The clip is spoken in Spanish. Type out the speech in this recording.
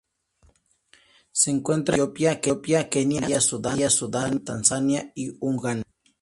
Se encuentra en Etiopía, Kenia Somalia, Sudán Tanzania y Uganda.